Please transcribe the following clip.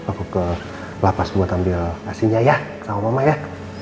aku ke lapas buat ambil asinnya ya sama mama ya